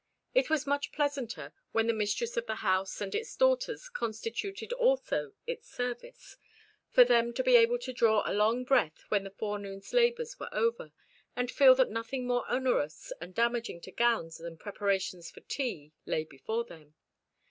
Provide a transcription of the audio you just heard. It was much pleasanter, when the mistress of the house and its daughters constituted also its service, for them to be able to draw a long breath when the forenoon's labors were over, and feel that nothing more onerous and damaging to gowns than preparations for tea lay before them.